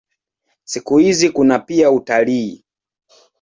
Siku hizi kuna pia utalii.